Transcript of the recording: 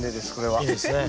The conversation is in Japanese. いいですね。